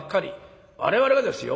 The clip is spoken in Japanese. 我々がですよ